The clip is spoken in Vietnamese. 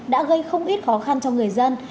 đã gây không ít khó khăn cho người dân